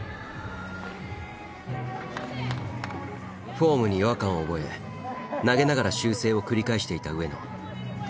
フォームに違和感を覚え投げながら修正を繰り返していた上野。